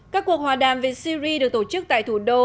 các cuộc hòa đàm về syri được tổ chức tại thủ đô